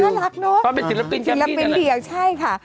น่ารักเนอะเขาเป็นศิลปินศิลปินเดียใช่ค่ะ